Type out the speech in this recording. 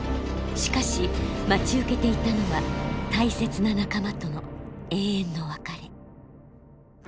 しかし待ち受けていたのは大切な仲間との永遠の別れ。